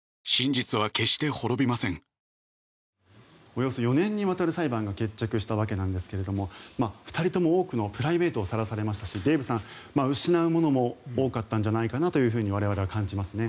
およそ４年にわたる裁判が決着したわけなんですが２人とも多くのプライベートをさらされましたしデーブさん、失うものも多かったんじゃないかなと我々は感じますね。